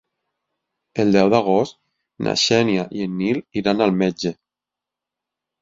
El deu d'agost na Xènia i en Nil iran al metge.